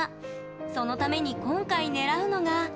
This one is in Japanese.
そのために今回狙うのが。